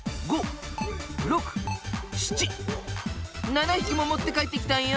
７匹も持って帰ってきたんよ。